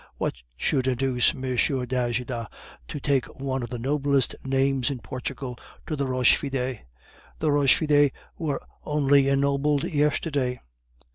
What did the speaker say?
What should induce M. d'Ajuda to take one of the noblest names in Portugal to the Rochefides? The Rochefides were only ennobled yesterday."